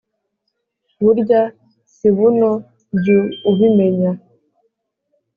Burya si buno jyu ubimenya